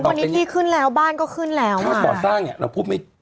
วันนี้ที่ขึ้นแล้วบ้านก็ขึ้นแล้วเมื่อก่อสร้างเนี้ยเราพูดไม่